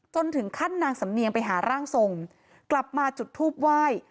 จนถึงขั้นนางสำเนียงไปหาร่างทรงกลับมาจุดทูบไหว้